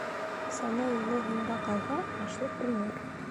Сана юлы һуңға ҡалһа, ашлыҡ уңыр.